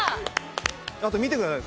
あと見てください